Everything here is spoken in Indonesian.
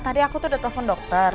tadi aku tuh udah telepon dokter